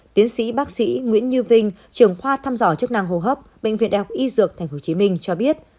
tiến sĩ bác sĩ nguyễn như vinh trưởng khoa thăm dò chức năng hô hấp bệnh viện đại học y dược tp hcm cho biết